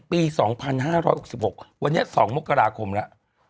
ปี๒๕๖๖วันนี้๒มกราคมแล้ว